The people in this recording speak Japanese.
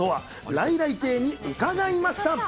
来来亭にうかがいました。